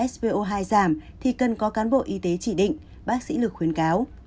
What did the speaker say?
so hai giảm thì cần có cán bộ y tế chỉ định bác sĩ lực khuyến cáo